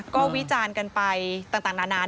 ก็วิจารณ์กันไปต่างนานา